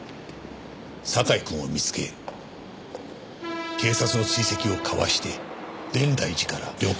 酒井君を見つけ警察の追跡をかわして蓮台寺から旅館へと入った。